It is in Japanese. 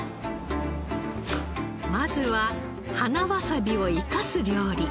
まずは花わさびを生かす料理。